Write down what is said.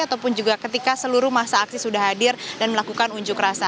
ataupun juga ketika seluruh masa aksi sudah hadir dan melakukan unjuk rasa